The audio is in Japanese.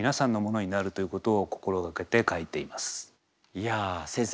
いや先生